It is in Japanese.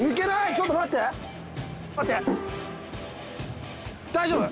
ちょっと待って大丈夫？